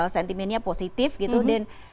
sentimennya positif gitu dan